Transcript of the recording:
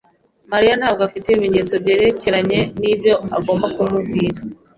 Mariya ntabwo afite ibimenyetso byerekeranye nibyo agomba kumubwira.